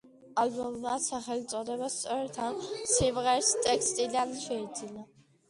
ალბომმა სახელწოდება სწორედ ამ სიმღერის ტექსტიდან შეიძინა.